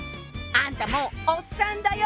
あんたもうおっさんだよ！